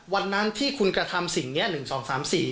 วันนั้นที่คุณกระทำสิ่งนี้๑๒๓๔